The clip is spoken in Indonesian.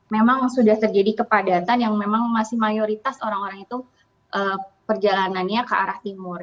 memang sudah terjadi kepadatan yang memang masih mayoritas orang orang itu perjalanannya ke arah timur